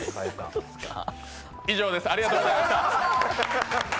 以上です、ありがとうございました！